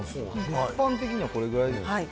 一般的にはこれぐらいじゃないですか。